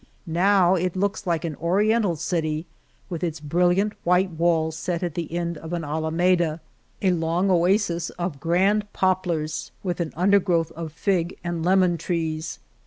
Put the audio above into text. Now it looks like an Oriental city, with its brilliant white walls set at the end of an alameda, a long oasis of grand poplars with 170 I 1 El Toboso an undergrowth of fig and lemon trees.